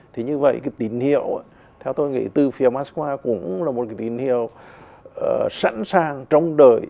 thì như vậy cái tín hiệu theo tôi nghĩ từ phía moscow cũng là một cái tín hiệu sẵn sàng trong đời